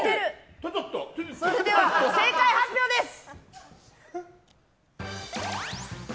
それでは正解発表です！